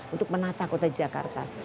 untuk menata kota jakarta